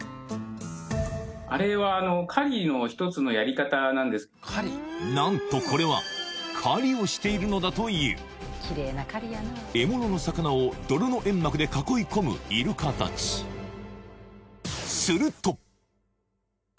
あれは何とこれは狩りをしているのだという獲物の魚を泥の煙幕で囲い込むイルカたちすると！